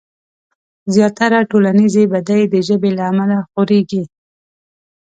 زياتره ټولنيزې بدۍ د ژبې له امله خورېږي.